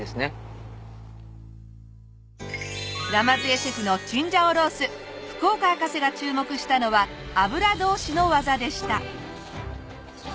鯰江シェフのチンジャオロース福岡博士が注目したのは油通しの技でした。